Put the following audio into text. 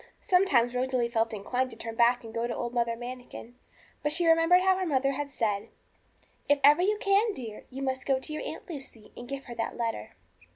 Sometimes Rosalie felt inclined to turn back and go to old Mother Manikin. But she remembered how her mother had said 'If ever you can, dear, you must go to your Aunt Lucy, and give her that letter.'